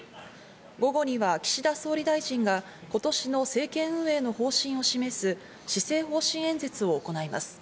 午後には岸田総理大臣が今年の政権運営の方針を示す施政方針演説を行います。